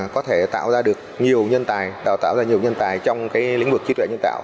có thể tạo ra được nhiều nhân tài đào tạo ra nhiều nhân tài trong lĩnh vực trí tuệ nhân tạo